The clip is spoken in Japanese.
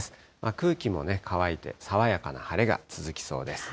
空気もね、乾いて、爽やかな晴れが続きそうです。